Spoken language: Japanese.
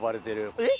えっ！